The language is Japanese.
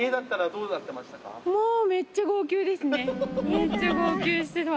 めっちゃ号泣してたわ。